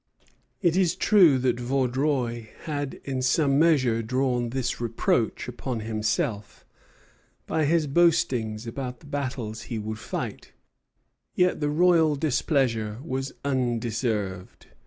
It is true that Vaudreuil had in some measure drawn this reproach upon himself by his boastings about the battles he would fight; yet the royal displeasure was undeserved.